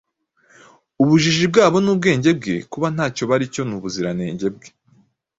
ubujiji bwabo n’ubwenge bwe, kuba ntacyo bari cyo n’ubuziranenge bwe,